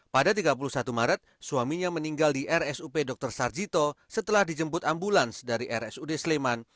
pada tiga puluh satu maret suaminya meninggal di rsup dr sarjito setelah dijemput ambulans dari rsud sleman